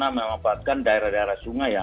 memanfaatkan daerah daerah sungai ya